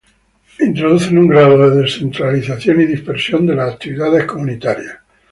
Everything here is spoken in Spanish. Introducen un grado de descentralización y dispersión de las actividades comunitarias.